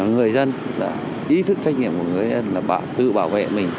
người dân ý thức trách nhiệm của người dân là tự bảo vệ mình